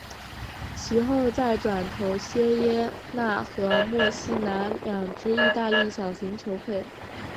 其后再转投锡耶纳和墨西拿两支意大利小型球会。